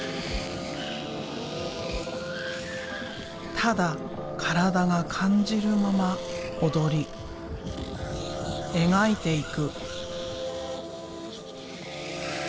ただ体が感じるまま踊り描いていく。